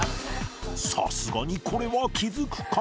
さすがにこれは気づくか？